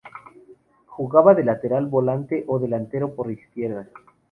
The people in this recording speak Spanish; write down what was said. Jugaba de lateral, volante o delantero por izquierda.